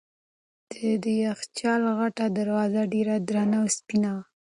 د یخچال غټه دروازه ډېره درنه او سپینه وه.